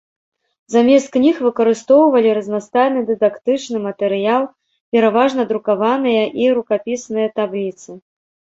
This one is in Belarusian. Замест кніг выкарыстоўвалі разнастайны дыдактычны матэрыял, пераважна друкаваныя і рукапісныя табліцы.